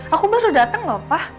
aku baru datang loh pak